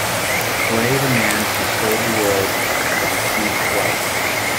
Play the man who sold the world from Steve Swell